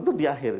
itu di akhir